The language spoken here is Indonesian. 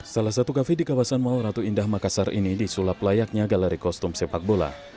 salah satu kafe di kawasan mall ratu indah makassar ini disulap layaknya galeri kostum sepak bola